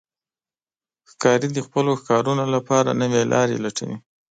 ښکاري د خپلو ښکارونو لپاره نوې لارې لټوي.